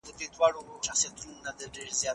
شاوخوا پر حجره یې لکه مار وګرځېدمه